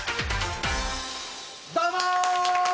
どうも！